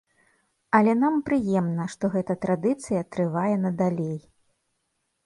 Але нам прыемна, што гэта традыцыя трывае надалей.